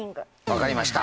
分かりました。